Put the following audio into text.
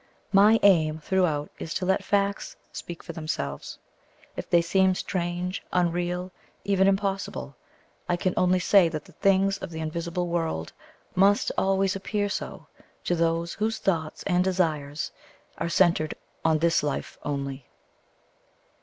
My aim throughout is to let facts speak for themselves. If they seem strange, unreal, even impossible, I can only say that the things of the invisible world must always appear so to those whose thoughts and desires are centred on this life only.